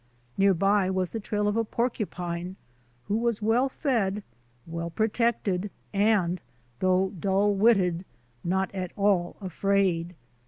Near by was the trail of a porcupine who was well fed, well protected, and though dull witted, not at all afraid.